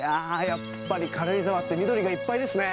やっぱり軽井沢って緑がいっぱいですね。